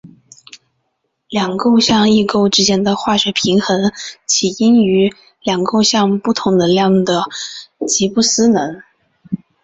两构象异构之间的化学平衡起因于两构象不同能量的吉布斯能。